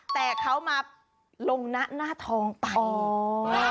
แต่เขามาลงนะหน้าทองไป